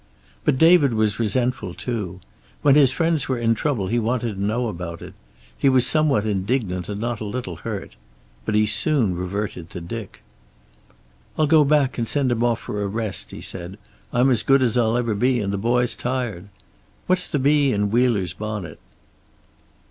But David was resentful, too. When his friends were in trouble he wanted to know about it. He was somewhat indignant and not a little hurt. But he soon reverted to Dick. "I'll go back and send him off for a rest," he said. "I'm as good as I'll ever be, and the boy's tired. What's the bee in Wheeler's bonnet?"